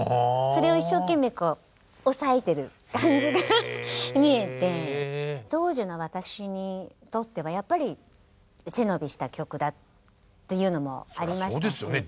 それを一生懸命抑えてる感じが見えて当時の私にとってはやっぱり背伸びした曲だっていうのもありましたし。